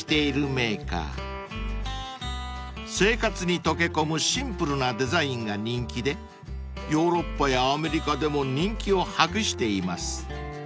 ［生活に溶け込むシンプルなデザインが人気でヨーロッパやアメリカでも人気を博しています］